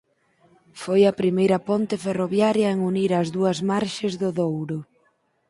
Foi a primeira ponte ferroviaria en unir as dúas marxes do Douro.